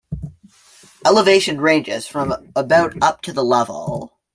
Elevation ranges from about up to the level.